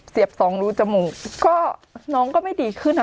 เสียบ๒รูจมูกก็น้องก็ไม่ดีขึ้นอ่ะค่ะ